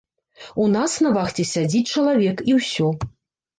У нас на вахце сядзіць чалавек, і ўсё.